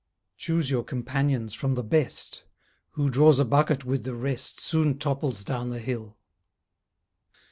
Choose your companions from the best; Who draws a bucket with the rest Soon topples down the hill.